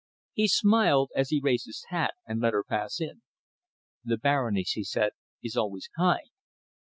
He smiled as he raised his hat and let her pass in. "The Baroness," he said, "is always kind."